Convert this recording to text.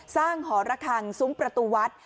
สร้างหอระคังซุ้มประตูวัด